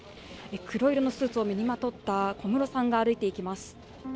黒色のスーツを身にまとった小室さんが歩いていきます。